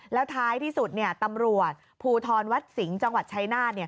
แล้วท้ายที่สุดตำรวจภูทรวัดสิงห์จังหวัดชายนาฏ